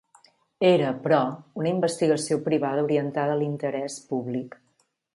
Era, però, una investigació privada orientada a l'interès públic.